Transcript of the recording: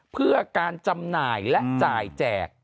เพื่อการจำหน่ายและจ่ายแจก